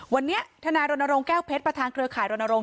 วันนี้ทนายรณรงค์แก้วเพชรประธานเครือข่ายรณรงค